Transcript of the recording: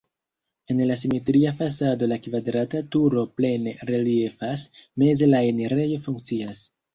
En la simetria fasado la kvadrata turo plene reliefas, meze la enirejo funkcias.